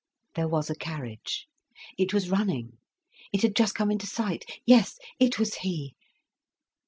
There was a carriage. It was running. It had just come into sight. Yes, it was he.